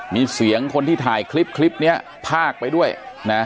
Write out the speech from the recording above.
มีเสียงคนที่ถ่ายคลิปคลิปนี้พากไปด้วยนะ